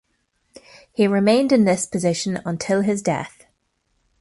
He remained in this position until his death.